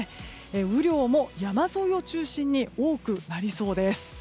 雨量も山沿いを中心に多くなりそうです。